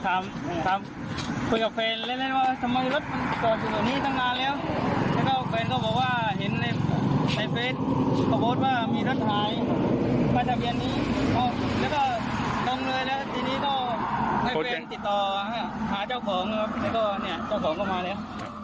หาเจ้าของครับแล้วก็เจ้าของก็มาแล้ว